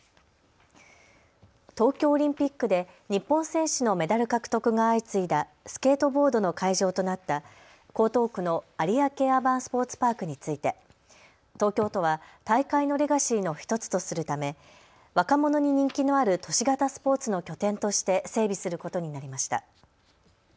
東京オリンピックで日本選手のメダル獲得が相次いだスケートボードの会場となった江東区の有明アーバンスポーツパークについて東京都は大会のレガシーの１つとするため若者に人気のある都市型スポーツの拠点として整備することになりました。